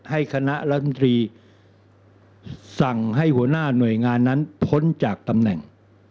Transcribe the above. ให้คณะรัฐมนตรีสั่งให้หัวหน้าหน่วยงานนั้นพ้นจากตำแหน่ง